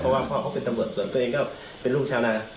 เพราะว่าพ่อเขาเป็นตำรวจส่วนตัวเองก็เป็นลูกชาวนา